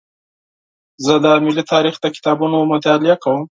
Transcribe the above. زه د ملي تاریخ د کتابونو مطالعه کوم.